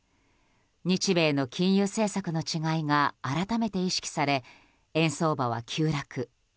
日米の金融政策の違いが改めて意識され円相場は急落。